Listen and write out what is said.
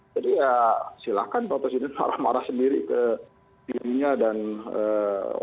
jadi ya silakan pak presiden marah marah sendiri ke dirinya dan otokritik buat mereka